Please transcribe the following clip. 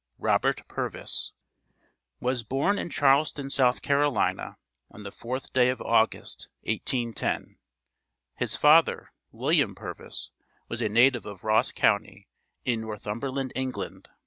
ROBERT PURVIS Was born in Charleston, S.C. on the 4th day of August, 1810. His father, William Purvis, was a native of Ross county, in Northumberland, England.